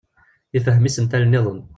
Ifehhem isental-nniḍen.